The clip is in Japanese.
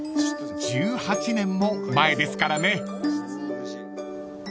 ［１８年も前ですからね］